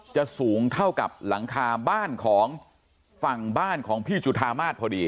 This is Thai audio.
สูงเท่ากับหลังคาบ้านของฝั่งบ้านของพี่จุธามาสพอดี